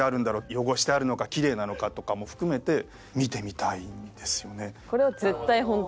汚してあるのかキレイなのかとかも含めて見てみたいんですよね。